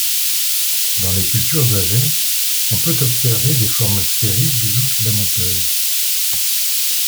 Dans les cultures âgées, on peut observer des formes sphériques ou filamenteuses.